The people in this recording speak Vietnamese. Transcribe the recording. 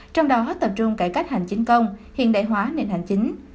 trong đó hết tập trung cải cách hành chính công hiện đại hóa nền hành chính